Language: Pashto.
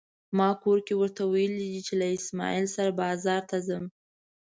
ما کور کې ورته ويلي دي چې له اسماعيل سره بازار ته ځم.